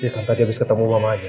dia kan tadi habis ketemu mamanya